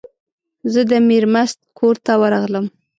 زه د میرمست کور ته ورغلم.